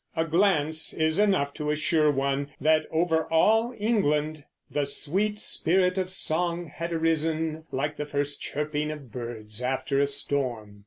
A glance is enough to assure one that over all England "the sweet spirit of song had arisen, like the first chirping of birds after a storm."